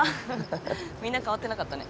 みんな変わってなかったね。